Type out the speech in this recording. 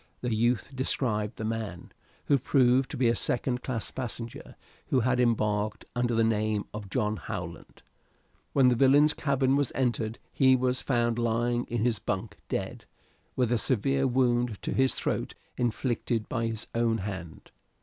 The youth described the man, who proved to be a second class passenger, who had embarked under the name of John Howland. When the villain's cabin was entered he was found lying in his bunk dead, with a severe wound in his throat inflicted by his own hand.